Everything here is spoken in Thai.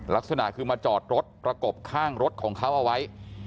ลักษณะคือมาจอดรถประกบข้างรถของเขาเอาไว้